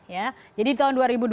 ya jadi tahun dua ribu dua puluh